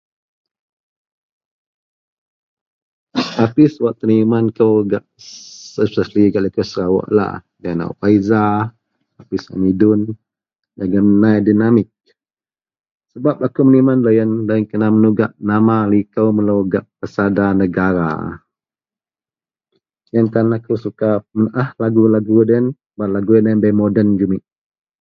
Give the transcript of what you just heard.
Artist wak teniman kou gak esepeli gak liko Serawok lah Nur Faezah wismedon jegum Nai Dynamic sebab akou meniman loyen kena menungak liko melo gak persada negara iyen tan akou suka menaah lagu-lagu loyen sebab lagu bei moden jumit.